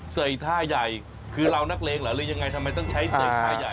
เสยท่าใหญ่คือเรานักเลงเหรอหรือยังไงทำไมต้องใช้เสกท่าใหญ่